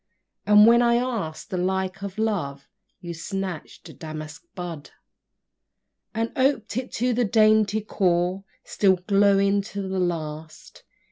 And when I ask'd the like of Love, You snatched a damask bud; And oped it to the dainty core, Still glowing to the last.